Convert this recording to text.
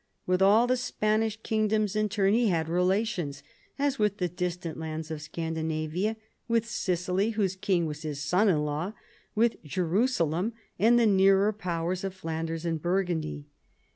With all the Spanish kingdoms in turn he had relations, as with the distant lands of Scandinavia, with Sicily, whose king was his son in law, with Jerusalem, and the nearer powers of Flanders and Burgundy.